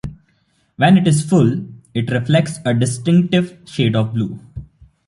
When it is full, it reflects a distinctive shade of blue.